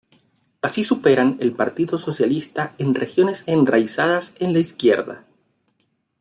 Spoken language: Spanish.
Así superan el Partido Socialista en Regiones enraizadas en la izquierda.